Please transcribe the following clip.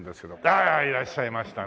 ああいらっしゃいましたね。